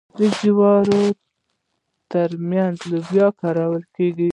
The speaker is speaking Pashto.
د جوارو ترمنځ لوبیا کرل کیږي.